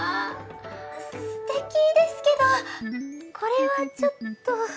すてきですけどこれはちょっと。